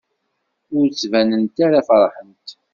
Ur ttbanent ara feṛḥent.